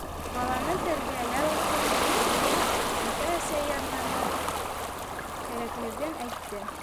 Баланы тәрбиәләү өсөн, мәктәпкә ата-әсә ярҙамы кәрәклеген әйтте.